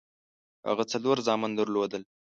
هغه څلور زامن درلودل.